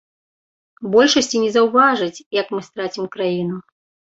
Большасць і не заўважыць, як мы страцім краіну.